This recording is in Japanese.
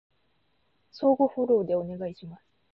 相互フォローでお願いします